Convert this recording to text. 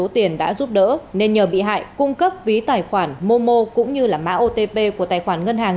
tiền đã giúp đỡ nên nhờ bị hại cung cấp ví tài khoản momo cũng như mã otp của tài khoản ngân hàng